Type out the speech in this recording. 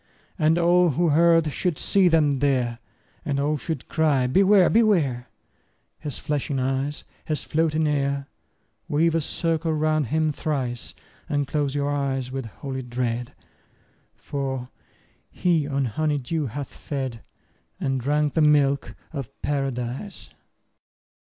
And all who heard should see them there, And all should cry, Beware! Beware! His flashing eyes, his floating hair! 50 Weave a circle round him thrice, And close your eyes with holy dread, For he on honey dew hath fed, And drunk the milk of Paradise.